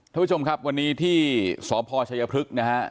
ท่านผู้ชมครับวันนี้ที่สพชัยพฤกษ์นะฮะ